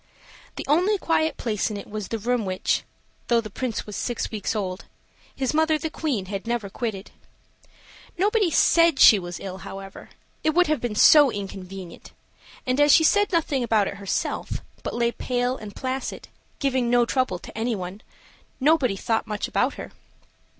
The only quiet place in it was the room which, though the Prince was six weeks old, his mother the Queen had never quitted. Nobody said she was ill, however it would have been so inconvenient; and as she said nothing about it herself, but lay pale and placid, giving no trouble to anybody, nobody thought much about her.